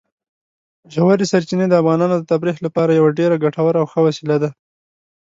ژورې سرچینې د افغانانو د تفریح لپاره یوه ډېره ګټوره او ښه وسیله ده.